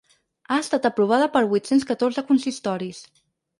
Ha estat aprovada per vuit-cents catorze consistoris.